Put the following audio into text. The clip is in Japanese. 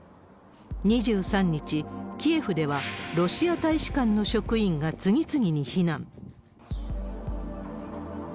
２３日、キエフでは、ロシア大使館の職員が次々に避難。